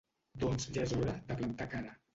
Doncs ja és hora de planta cara.